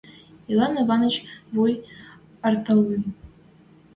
Иван Иваныч — вуй артельӹн.